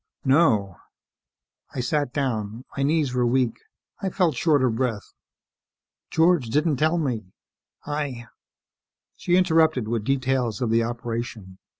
"No." I sat down. My knees were weak. I felt short of breath. "George didn't tell me. I " She interrupted with details of the operation.